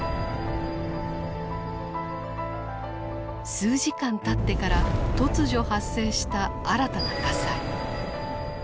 数時間たってから突如発生した新たな火災。